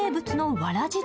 わらじ丼